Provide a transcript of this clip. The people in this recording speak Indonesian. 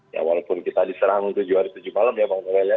ya walaupun kita diserang tujuh hari tujuh malam ya bang noel ya